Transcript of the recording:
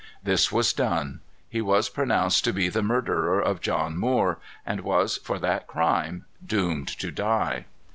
This was done. He was pronounced to be the murderer of John Moore, and was, for that crime, doomed to die.